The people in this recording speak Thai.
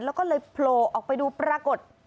แล้วก็เลยโผล่ออกไปดูปรากฏ